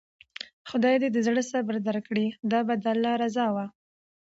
خداى د زړه صبر درکړي، دا به د الله رضا وه.